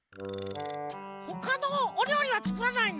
ほかのおりょうりはつくらないの？